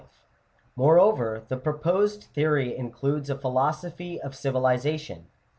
Moreover, the proposed theory includes a philosophy of civi lization.